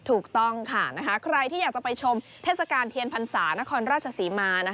ถูกต้องค่ะใครที่อยากจะไปชมเทศกาลเทียนพรรษานครราชศรีมา